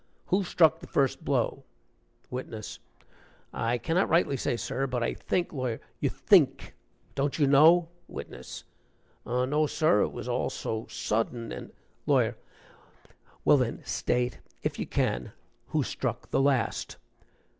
Who struck the first blow?" WITNESS. "I can not rightly say, sir, but I think " LAWYER. "You think! don't you know?" WITNESS. "No, sir, it was all so sudden, and " LAWYER. "Well, then, state, if you can, who struck the last."